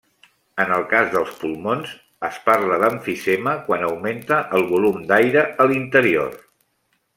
En el cas dels pulmons, es parla d'emfisema quan augmenta el volum d'aire a l'interior.